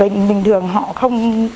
bệnh nhân bình thường họ không